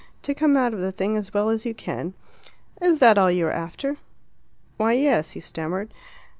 To come out of the thing as well as you can! Is that all you are after?" "Why, yes," he stammered.